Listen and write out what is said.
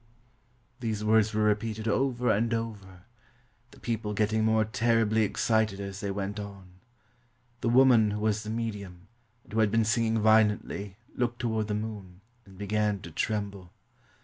" These words were repeated over and over, the people getting more terribly excited as they went on. The wo man who was the medium, and who had been singing violently, looked toward the moon, and began to trem ble.